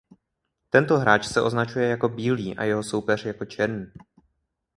Tento hráč se označuje jako "bílý" a jeho soupeř jako "černý".